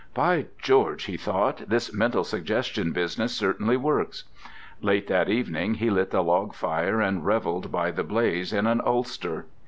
"By George," he thought, "this mental suggestion business certainly works." Late that evening he lit the log fire and revelled by the blaze in an ulster.